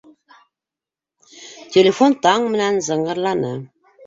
. Телефон таң менән зыңғырланы.